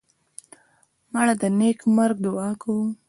مړه ته د نیک مرګ دعا کوو